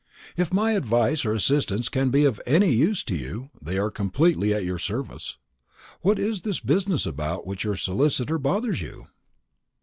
"If my advice or assistance can be of any use to you, they are completely at your service. What is this business about which your solicitor bothers you?"